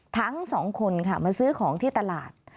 ทั้งสองคนค่ะมาซื้อของที่ตลาด